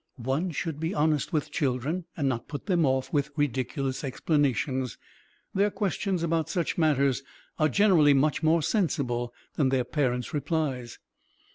One should be honest with children and not put them off with ridiculous explanations. Their questions about such matters are generally much more sensible than their parents' replies.